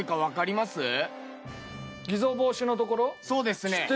そうですね。